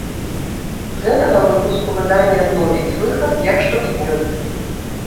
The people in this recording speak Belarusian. З гэтага выпуску выданне адновіць выхад як штотыднёвік.